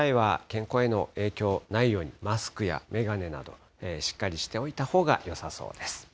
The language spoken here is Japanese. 外出する際は健康への影響ないように、マスクや眼鏡など、しっかりしておいたほうがよさそうです。